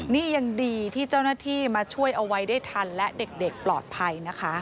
นี่ยังดีที่เจ้าหน้าที่มาช่วยเอาไว้ได้ทันและเด็กปลอดภัยนะคะ